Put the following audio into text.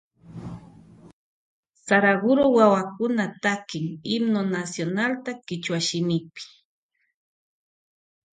Saraguro wawakuna takin himno nacionalta kichwa shimipi.